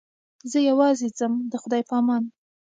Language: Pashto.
زه یوازې ځم د خدای په امان.